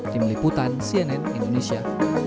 tim liputan cnn indonesia